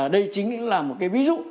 đây chính là một cái ví dụ